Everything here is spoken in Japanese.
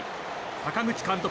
阪口監督